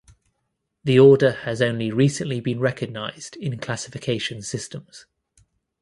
The order has only recently been recognized in classification systems.